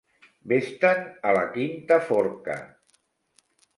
Ves-te'n a la quinta forca!